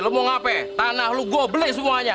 lu mau ngapain tanah lu gobeli semuanya